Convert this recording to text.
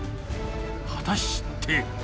果たして。